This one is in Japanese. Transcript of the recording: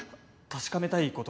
確かめたい事？